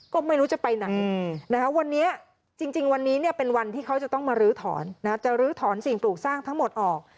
ก็ไม่รู้จะไปไหนวันนี้จริงวันนี้เป็นวันที่เขาจะต้องมาลื้อถอนจะลื้อถอนสิ่งปลูกสร้างทั้งหมดออก